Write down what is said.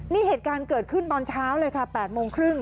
นี่เหตุการณ์เกิดขึ้นตอนเช้าเลยค่ะ๘โมงครึ่ง